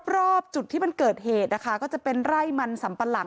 รอบจุดที่มันเกิดเหตุนะคะก็จะเป็นไร่มันสัมปะหลัง